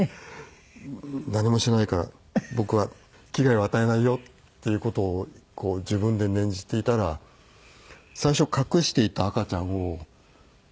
何もしないから僕は危害を与えないよっていう事をこう自分で念じていたら最初隠していた赤ちゃんを見せてくれて。